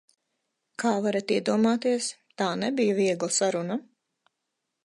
Kā varat iedomāties, tā nebija viegla saruna.